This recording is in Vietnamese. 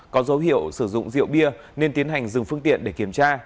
có dấu hiệu sử dụng rượu bia nên tiến hành dừng phương tiện để kiểm tra